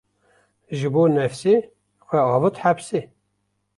Ji bo nefsê, xwe avêt hepsê